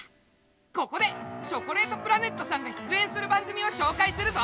ここでチョコレートプラネットさんが出演する番組を紹介するぞ！